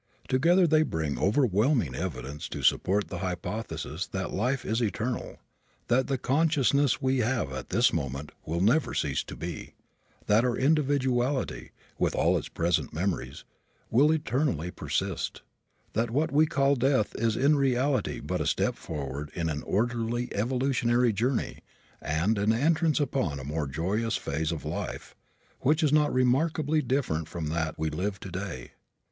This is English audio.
Together they bring overwhelming evidence to support the hypothesis that life is eternal; that the consciousness we have at this moment will never cease to be; that our individuality, with all its present memories, will eternally persist; that what we call death is in reality but a forward step in an orderly evolutionary journey and an entrance upon a more joyous phase of life, which is not remarkably different from that we live today.